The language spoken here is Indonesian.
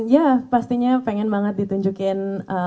ya pastinya pengen banget ditunjukin